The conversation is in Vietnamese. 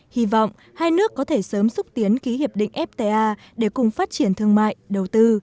hy vọng hai nước có thể sớm xúc tiến ký hiệp định fta để cùng phát triển thương mại đầu tư